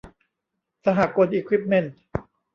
สหกลอิควิปเมนท์